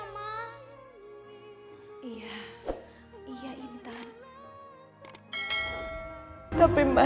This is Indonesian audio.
ma jangan tinggalin aku disini ya ma